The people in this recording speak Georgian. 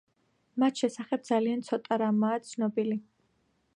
მის შესახებ ძალიან ცოტა რამაა ცნობილი.